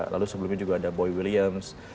lalu sebelumnya juga ada boy williams